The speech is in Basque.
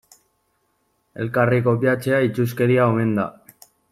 Elkarri kopiatzea itsuskeria omen da.